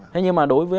thế nhưng mà đối với